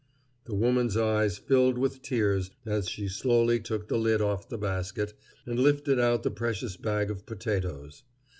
The woman's eyes filled with tears as she slowly took the lid off the basket and lifted out the precious bag of potatoes.